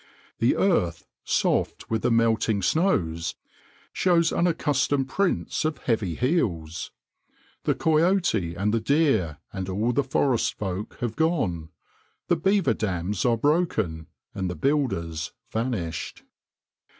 The earth, soft with the melting snows, shows unaccustomed prints of heavy heels. The coyote and the deer and all the forest folk have gone; the beaver dams are broken, and the builders vanished.